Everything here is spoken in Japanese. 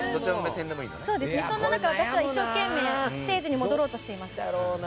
そんな中、私は一生懸命ステージに戻ろうとしています。